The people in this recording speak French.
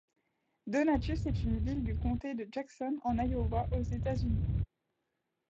Donatus est une ville du comté de Jackson, en Iowa, aux États-Unis.